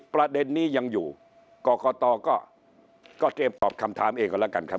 ประเด็นนี้ยังอยู่กรกตก็เตรียมตอบคำถามเองก็แล้วกันครับ